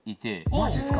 マジっすか。